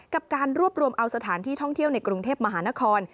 กับการรวบรวมเอาสถานที่ท่องเที่ยวในกรุงเทพมหานคร